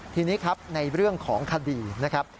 ทีนี้ครับในเรื่องของคดีนะครับ